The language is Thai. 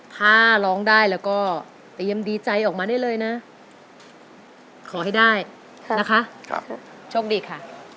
ถ้าร้องได้แล้วก็เตรียมดีใจออกมาได้เลยนะขอให้ได้นะคะโชคดีค่ะ